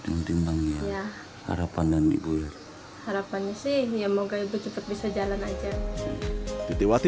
timbang timbang harapan dan dibuat harapannya sih ya moga itu cepet bisa jalan aja titiwati